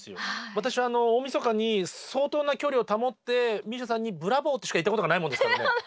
私は大みそかに相当な距離を保ってＭＩＳＩＡさんにブラボーとしか言ったことがないもんですからね。